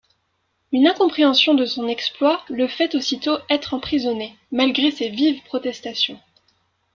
Une incompréhension de son exploit le fait aussitôt être emprisonné malgré ses vives protestations.